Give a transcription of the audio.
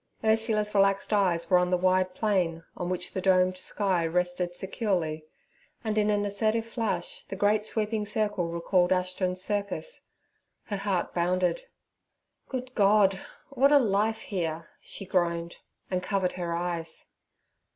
Ursula's relaxed eyes were on the wide plain, on which the domed sky rested securely, and in an assertive flash the great sweeping circle recalled Ashton's circus. Her heart bounded. 'Good God! what a life here!' she groaned, and covered her eyes.